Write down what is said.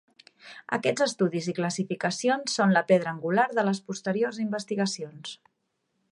Aquests estudis i classificacions són la pedra angular de les posteriors investigacions.